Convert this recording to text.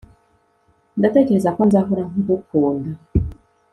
ndatekereza ko nzahora ngukunda